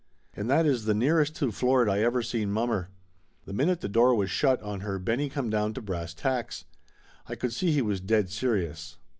And that is the nearest to floored I ever seen mommer. The min ute the door was shut on her Benny come down to brass tacks. I could see he was dead serious.